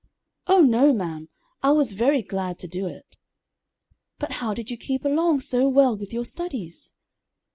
"Oh no, ma'am, I was very glad to do it." "But how did you keep along so well with your studies?"